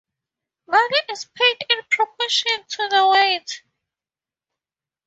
Money is paid in proportion to the weight.